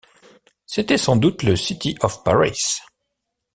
C’était sans doute le City of Paris.